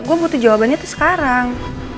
gue butuh jawabannya sekarang